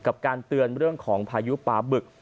กับการเตือนเรื่องของพายุปลาบึก